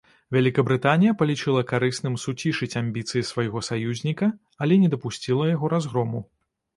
Вялікабрытанія палічыла карысным суцішыць амбіцыі свайго саюзніка, але не дапусціла яго разгрому.